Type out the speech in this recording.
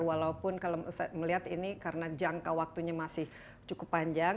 walaupun kalau saya melihat ini karena jangka waktunya masih cukup panjang